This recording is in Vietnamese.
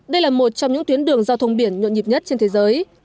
đây là một trong những tuyến đường giao thông biển nhộn nhịp nhất trên thế giới